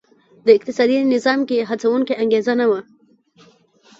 د اقتصادي نظام کې هڅوونکې انګېزه نه وه.